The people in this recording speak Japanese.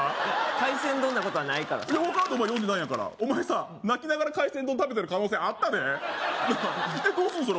海鮮丼なことはないからさ分からんでお前読んでないんやからお前さ泣きながら海鮮丼食べてる可能性あったでなあどうすんの？